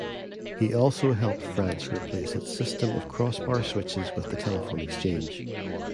He also helped France replace its system of crossbar switches with the telephone exchange.